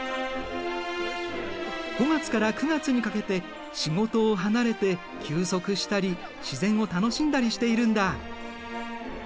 ５月から９月にかけて仕事を離れて休息したり自然を楽しんだりしているんだ。